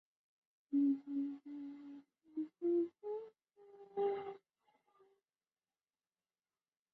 韦弗担任的最后一份公职是出任家乡科尔法克斯的市长。